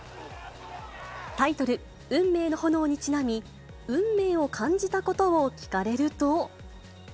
タイトル、運命の炎にちなみ、運命を感じたことを聞かれると。